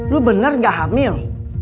lu bener gak hamil